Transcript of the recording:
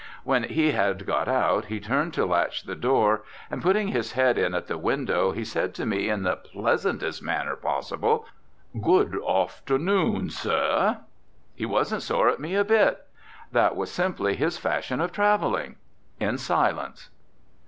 When he had got out he turned to latch the door, and putting his head in at the window, he said to me in the pleasantest manner possible: "Good aufternoon, sir." He wasn't sore at me a bit! That was simply his fashion of travelling, in silence.